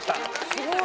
すごい。